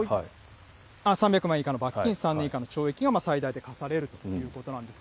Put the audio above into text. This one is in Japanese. ３００万円以下の罰金、３年以下の懲役が最大で科されるということなんです。